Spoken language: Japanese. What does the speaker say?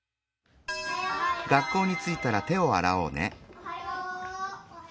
おはよう。